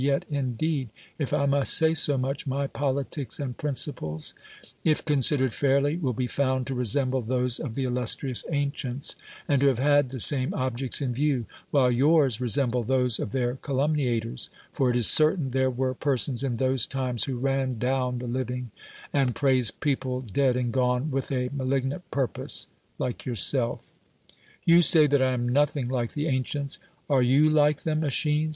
Yet. indeed — if I must say so much — my ])olitics and principles, if considered fairly, v/ill be found to resembb^ those of the illustrious ancients, and to have had the same objects in view, while yours resemble those of their calumniators; for it is certain there were persons in those times, who ran down the living, and pi'aised people dead and gone, with a malig nant purpose like yourself. You say that I am nothing like the ancients. Are you like them, ^T^schines?